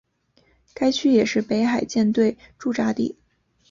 该区也是北海舰队驻扎地。